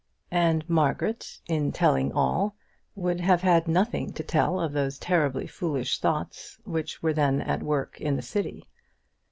And Margaret in telling all would have had nothing to tell of those terribly foolish thoughts which were then at work in the City.